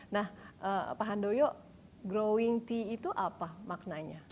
nah pak handoyo growing tea itu apa maknanya